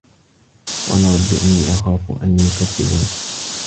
قالَ رَبِّ إِنّي أَخافُ أَن يُكَذِّبونِ